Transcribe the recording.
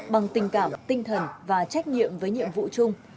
bằng tình cảm tinh thần và trách nhiệm với nhiệm vụ chung